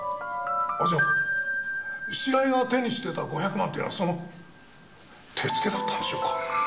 じゃあ白井が手にしてた５００万っていうのはその手付けだったんでしょうか？